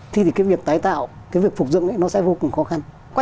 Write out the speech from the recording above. thì thì cái việc tái tạo cái việc phục dựng nó sẽ vô cùng khó khăn